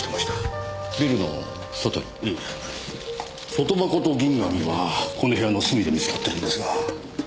外箱と銀紙はこの部屋の隅で見つかってるんですが。